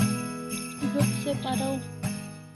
Zo't se paraw